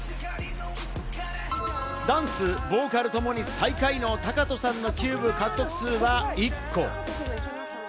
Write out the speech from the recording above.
ダンス、ボーカルともに最下位のタカトさんのキューブ獲得数は１個。